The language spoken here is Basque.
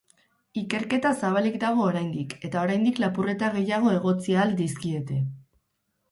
Ikerketa zabalik dago oraindik, eta oraindik lapurreta gehiago egotzi ahal dizkiete.